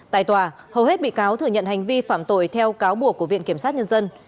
tại tòa hầu hết bị cáo thừa nhận hành vi phạm tội theo cáo buộc của viện kiểm sát nhân dân